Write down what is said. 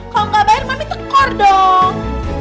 kalau gak bayar mami tekor dong